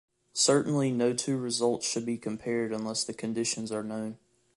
Certainly no two results should be compared unless the conditions are known.